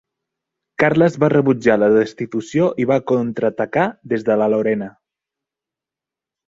Carles va rebutjar la destitució i va contraatacar des de la Lorena.